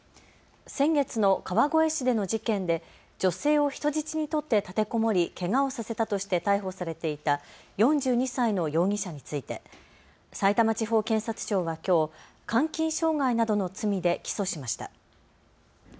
先月の川越市での事件で女性を人質に取って立てこもり、けがをさせたとして逮捕されていた４２歳の容疑者についてさいたま地方検察庁は、きょう監禁傷害などの罪で起訴しました。